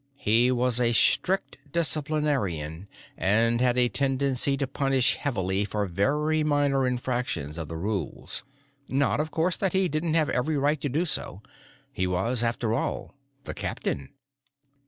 He was a strict disciplinarian, and had a tendency to punish heavily for very minor infractions of the rules. Not, of course, that he didn't have every right to do so; he was, after all, the captain.